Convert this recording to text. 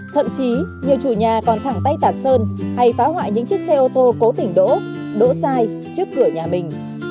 thậm chí nhiều chủ nhà còn thẳng tay tạt sơn hay phá hoại những chiếc xe ô tô cố tỉnh đỗ đỗ sai trước cửa nhà mình